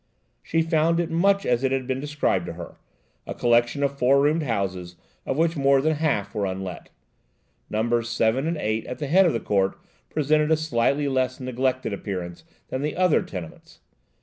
She found it much as it had been described to her–a collection of four roomed houses of which more than half were unlet. Numbers 7 and 8 at the head of the court presented a slightly less neglected appearance than the other tenements.